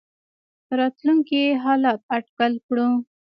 راتلونکي حالات اټکل کړو.